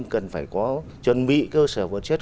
cần phải có chuẩn bị cơ sở budget